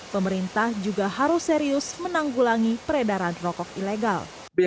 pemerintah juga harus serius menanggulangi peredaran rokok ilegal